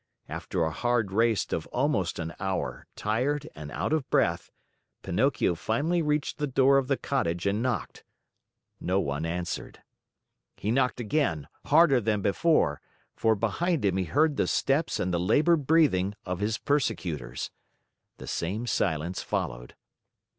After a hard race of almost an hour, tired and out of breath, Pinocchio finally reached the door of the cottage and knocked. No one answered. He knocked again, harder than before, for behind him he heard the steps and the labored breathing of his persecutors. The same silence followed.